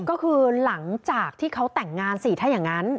ก็คือหลังจากที่เขาแต่งงานสิถ้าอย่างนั้น